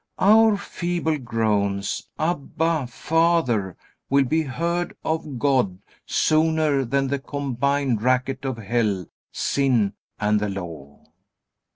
Our feeble groans, "Abba, Father," will be heard of God sooner than the combined racket of hell, sin, and the Law.